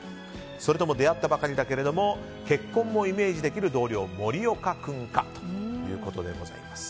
それとも出会ったばかりだけど結婚もイメージできる同僚森岡君かということでございます。